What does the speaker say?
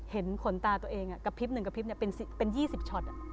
เห็นขนตาตัวเองกระพริบหนึ่งกระพริบเป็น๒๐ช็อต